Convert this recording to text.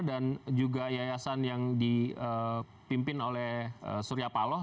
dan juga yayasan yang dipimpin oleh surya paloh